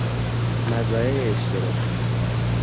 مزرعه اشتراکی